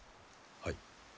はい。